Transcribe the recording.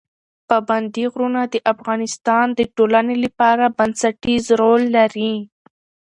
پابندی غرونه د افغانستان د ټولنې لپاره بنسټيز رول لري.